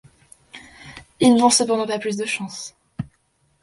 Ils n'ont cependant pas plus de chance.